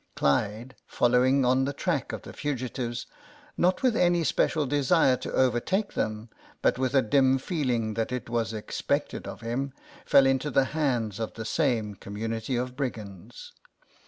Clyde, following on the track of the fugitives, not with any special desire to overtake them, but with a dim feeling that it was expected of him, fell into the hands of the same com munity of brigands.